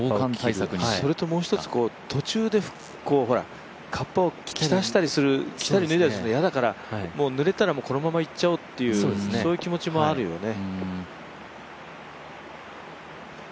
それと途中でカッパを着たり脱いだりするのが嫌だからぬれたらこのままいっちゃおうっていうそういう気持ちもあるよね。